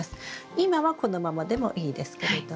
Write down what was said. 今はこのままでもいいですけれども。